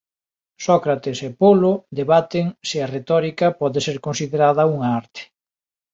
Sócrates e Polo debaten se a retórica pode ser considerada unha arte.